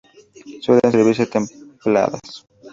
Suelen servirse templadas.